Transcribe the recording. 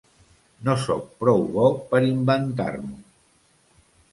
No soc prou bo per inventar-m'ho.